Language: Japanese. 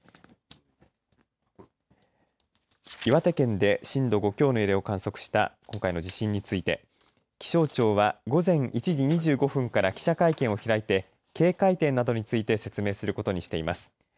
岩手県で震度５強の揺れを観測した今回の地震について気象庁は午前１時２５分から記者会見を開いて警戒点などについて説明することにしています。